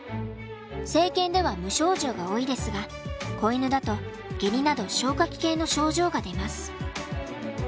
成犬では無症状が多いですが子犬だとゲリなど消化器系の症状が出ます。